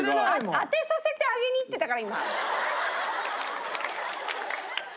当てさせてあげにいってたから今。